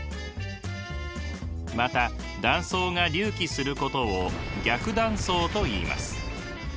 また断層が隆起することを逆断層といいます。